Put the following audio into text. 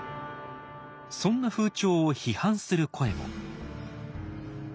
そんな風潮を批判する声も。